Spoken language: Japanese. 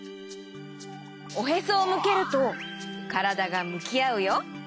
おへそをむけるとからだがむきあうよ。